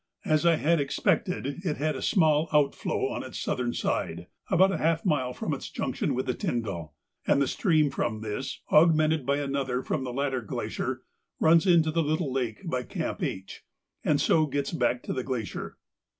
As I had expected, it had a small outflow on its south side, about half a mile from its junction with the Tyndall; and the stream from this, augmented by another from the latter glacier, runs into the little lake by Camp H, and so gets back to the glacier.